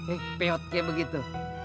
eh peot kayak begitu